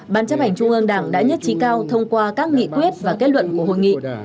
ban chấp hành trung ương đảng đã nhất trí cao thông qua các nghị quyết và kết luận của hội nghị